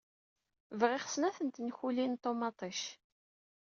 Bɣiɣ snat n tenkulin n ṭumaṭic.